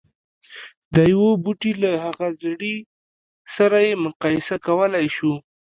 د يوه بوټي له هغه زړي سره يې مقايسه کولای شو.